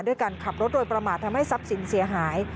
ด้วยการขับรถโดยประมาททำให้ทรัพย์สินเสียหาย